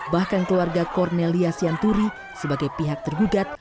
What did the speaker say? bahkan keluarga cornelia sianturi sebagai pihak tergugat